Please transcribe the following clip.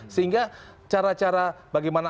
sehingga cara cara bagaimana